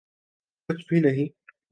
کچھ بھی نہیں۔